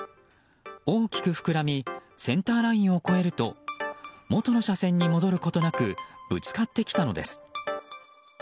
大きく膨らみセンターラインを越えると元の車線に戻ることなくぶつかってきたのです。